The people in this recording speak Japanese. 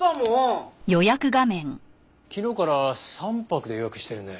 昨日から３泊で予約してるね。